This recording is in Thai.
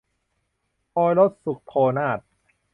โอรสสุทโธนาค